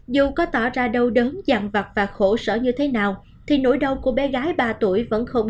dù có tỏ ra đau đớn dặn vặt và khổ sở như thế nào thì nỗi đau của bé gái ba tuổi vẫn không